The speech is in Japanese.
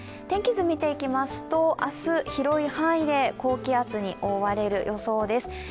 天気図を見ていきますと明日、広い範囲で高気圧に覆われる予想です。